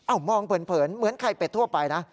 มองเผินเหมือนไข่เป็ดทั่วไปนะ